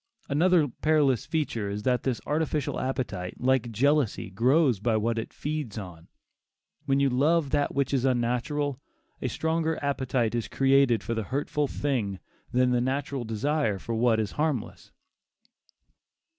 Another perilous feature is that this artificial appetite, like jealousy, "grows by what it feeds on"; when you love that which is unnatural, a stronger appetite is created for the hurtful thing than the natural desire for what is harmless.